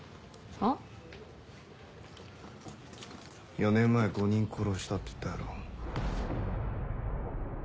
あ？４年前５人殺したって言ったやろ？